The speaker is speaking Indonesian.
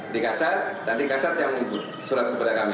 di kasar nanti kasar yang surat kepada kami